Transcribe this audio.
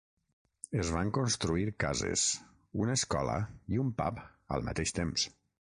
Es van construir cases, una escola i un pub al mateix temps.